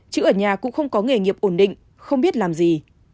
chữ ở nhà cũng không có nghề nghiệp ổn định không biết làm gì